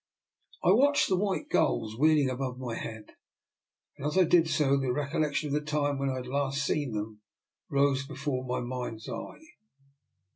I watched the white gulls wheeling above my head, and as I did so the recollection of the time when I had last seen them rose before my mind's eye.